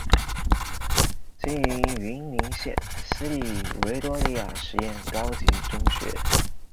经营云林县私立维多利亚实验高级中学。